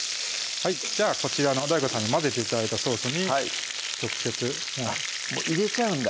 じゃあこちらのＤＡＩＧＯさんに混ぜて頂いたソースに直接入れちゃうんだ